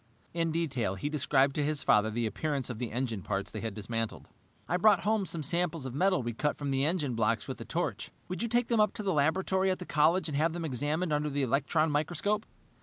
In detail, he described to his father the appearance of the engine parts they had dismantled. "I brought home some samples of metal we cut from the engine blocks with a torch. Would you take them up to the laboratory at the college and have them examined under the electron microscope?"